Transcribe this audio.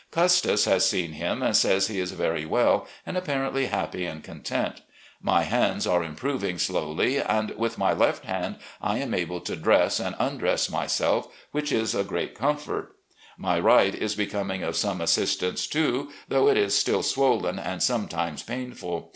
Custis has seen him and says he is very well, and apparently happy and content. My hands are improving slowly, and, with my left hand, I am able to dress and tmdress myself, which is a great comfort. My right is becoming of some assistance, too, though it is still swollen and sometimes painful.